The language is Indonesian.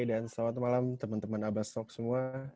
dan selamat malam teman teman abas talk semua